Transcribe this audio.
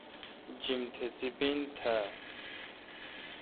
جیم تہ سیپین تھان۔